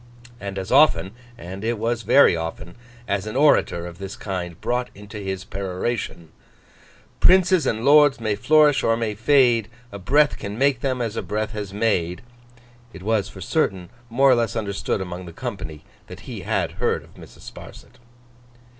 And as often (and it was very often) as an orator of this kind brought into his peroration, 'Princes and lords may flourish or may fade, A breath can make them, as a breath has made,' —it was, for certain, more or less understood among the company that he had heard of Mrs. Sparsit.